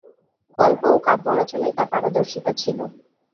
গল্প ও কাব্য রচনায় তা পারদর্শিতা ছিল।